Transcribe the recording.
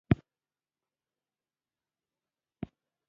نه ختیځ نه لویدیځ یوازې اسلام او یوازې افغان